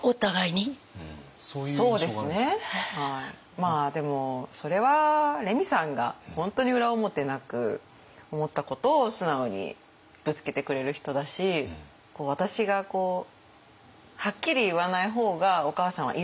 まあでもそれはレミさんが本当に裏表なく思ったことを素直にぶつけてくれる人だし私がはっきり言わない方がお義母さんはいらいらするみたいな。